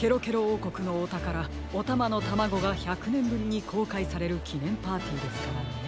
おうこくのおたからおたまのタマゴが１００ねんぶりにこうかいされるきねんパーティーですからね。